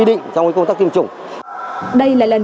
dự kiến trong bốn ngày